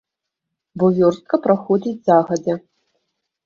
Бо вёрстка праходзіць загадзя.